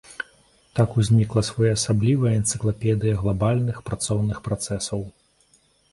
Так узнікла своеасаблівая энцыклапедыя глабальных працоўных працэсаў.